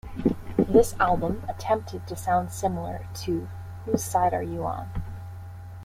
This album attempted to sound similar to Whose Side Are You On?